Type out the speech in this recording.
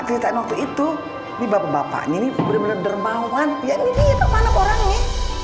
yang ceritain waktu itu di bapak bapaknya ini bener bener dermawan ya ini dia pak manap orangnya